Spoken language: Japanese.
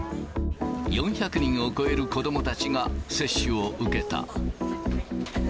４００人を超える子どもたちが接種を受けた。